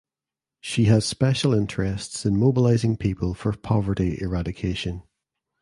She has special interests in Mobilizing people for poverty eradication.